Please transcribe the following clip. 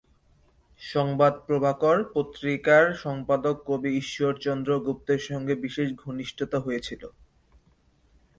সংবাদ প্রভাকর পত্রিকার সম্পাদক কবি ঈশ্বরচন্দ্র গুপ্তের সঙ্গে বিশেষ ঘনিষ্ঠতা হয়েছিল।